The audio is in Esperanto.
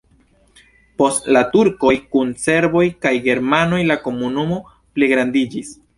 Post la turkoj kun serboj kaj germanoj la komunumo pligrandiĝis.